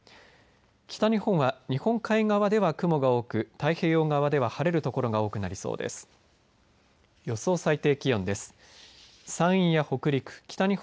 北日本は日本海側では雲が多く太平洋側では晴れる所が多くなりそうです。